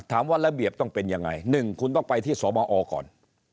ถามว่าระเบียบต้องเป็นอย่างไรหนึ่งคุณต้องไปที่สมออก่อน